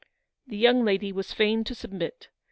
The young lady was fain to submit.